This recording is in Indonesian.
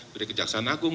dari kejaksaan agung